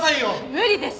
無理です！